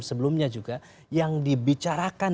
sebelumnya juga yang dibicarakan